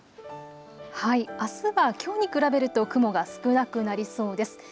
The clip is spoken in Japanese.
あすはきょうに比べると雲が少なくなりそうです。